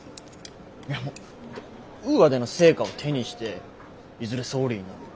いやウーアでの成果を手にしていずれ総理になる。